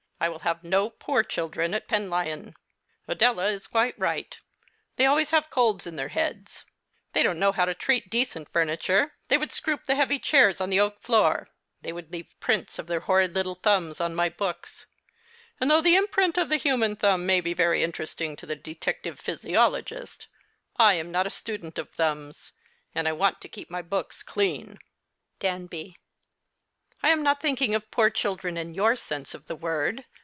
I will have no poor children at Penlyon. Adela is quite right. They have always colds in their heads ; they don't know how to treat decent furniture ; they would scroop the heavy chairs on the oak floor ; they would leave prints of tlieir horrid little thumbs on my books ; and though the imprint of the human thumb may be very interesting to the detective physiologist, I am not a student of thumbs, and I want to keep my books clean. Danbv. I am not thinking of poor children in your 32 The Christmas Hirelings. sense of the word.